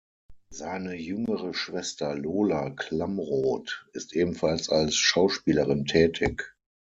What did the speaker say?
Seine jüngere Schwester Lola Klamroth ist ebenfalls als Schauspielerin tätig.